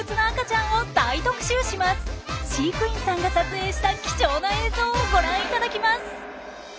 飼育員さんが撮影した貴重な映像をご覧いただきます！